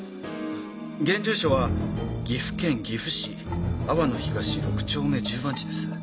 現住所は「岐阜県岐阜市粟野東６丁目１０番地」です。